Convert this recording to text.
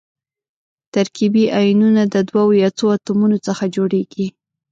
ترکیبي ایونونه د دوو یا څو اتومونو څخه جوړیږي.